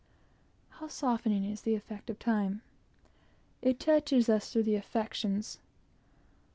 How softening is the effect of time! It touches us through the affections.